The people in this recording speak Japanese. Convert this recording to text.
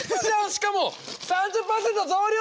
しかも３０％増量！